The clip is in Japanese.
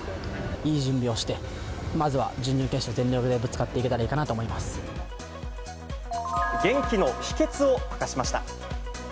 いい準備をして、まずは準々決勝、全力でぶつかっていけたらいいか元気の秘けつを明かしました。